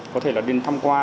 có thể đến thăm qua